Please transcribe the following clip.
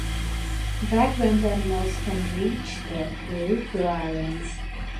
Vagrant animals can reach the Ryukyu Islands.